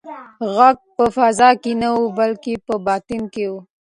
غږ په فضا کې نه و بلکې په باطن کې و.